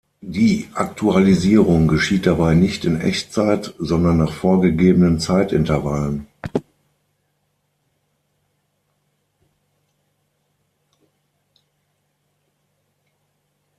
Die Aktualisierung geschieht dabei nicht in Echtzeit, sondern nach vorgegebenen Zeitintervallen.